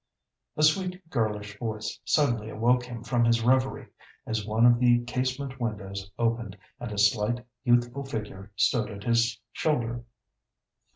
A sweet girlish voice suddenly awoke him from his reverie, as one of the casement windows opened, and a slight, youthful figure stood at his shoulder.